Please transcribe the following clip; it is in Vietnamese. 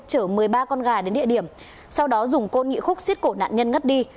chở một mươi ba con gà đến địa điểm sau đó dùng côn nghị khúc xiết cổ nạn nhân ngất đi